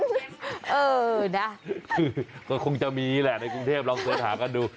เดี๋ยวคงจะมีแหละในกรุงเทพลองเซิร์ชหากันดู